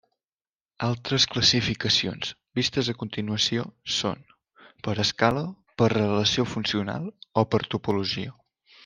Altres classificacions, vistes a continuació, són: per escala, per relació funcional o per topologia.